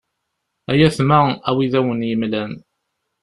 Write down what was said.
Ay atma a wi i d awen-yemlan.